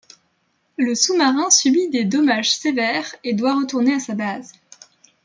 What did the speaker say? Le sous-marin subit des dommages sévères et doit retourner à sa base.